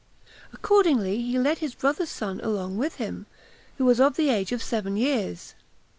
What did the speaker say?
Accordingly he led his brother's son along with him, who was of the age of seven years.